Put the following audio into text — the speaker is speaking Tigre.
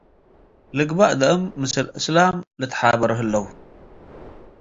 ልግበእ ደአም ምስል እስላም ለትሓበረው ህለው ።